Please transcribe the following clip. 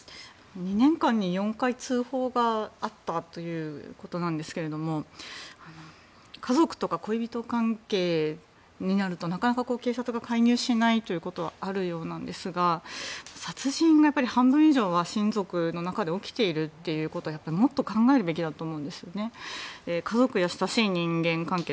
２年間に４回、通報があったということなんですが家族とか恋人関係になるとなかなか警察が介入しないということはあるようなんですが殺人の半分以上は親族の中で起きているということは誰かがつくった道を行くよりも自分の行きたい方へ進んだ方がおもしろいニュー「ヴェルファイア」